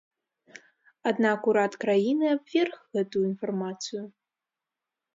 Аднак урад краіны абверг гэтую інфармацыю.